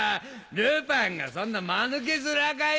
ルパンがそんな間抜け面かよ！